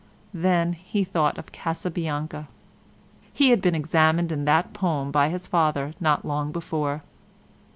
Then he thought of Casabianca. He had been examined in that poem by his father not long before.